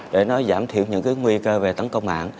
để nó giảm thiểu những cái nguy cơ về tấn công mạng